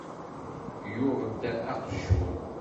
Yuɣ-d aqejjun.